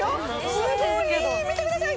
すごい見てください